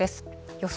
予想